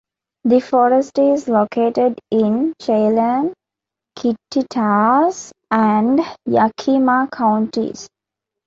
The forest is located in Chelan, Kittitas and Yakima counties.